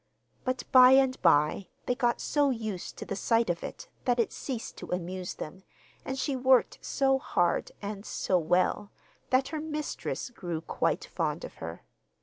But by and by they got so used to the sight of it that it ceased to amuse them, and she worked so hard and so well, that her mistress grew quite fond of her.